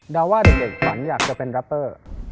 ว่าเด็กฝันอยากจะเป็นรัปเปอร์